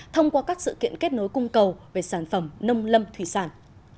thông qua các sự kiện kết nối cung cầu về sản phẩm nông lâm thủy sản